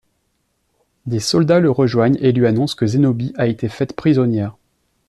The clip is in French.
Des soldats le rejoignent et lui annonce que Zénobie a été faite prisonnière.